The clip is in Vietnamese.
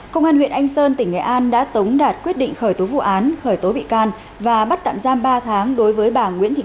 công an huyện anh sơn tỉnh nghệ an đã tống đạt quyết định khởi tố vụ án khởi tố bị can và bắt tạm giam ba tháng đối với bà nguyễn thị